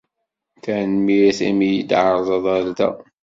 Tanemmirt i mi yi-d tɛerḍeḍ ar da.